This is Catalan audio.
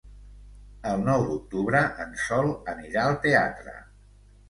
El nou d'octubre en Sol anirà al teatre.